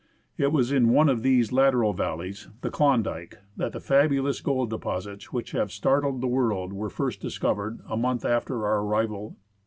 It was in one of these lateral valleys, the Klondike, that the fabulous gold deposits which have startled the world were first discovered a month after our arrival.